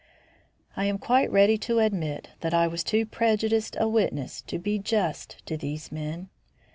I am quite ready to admit that I was too prejudiced a witness to be just to these men.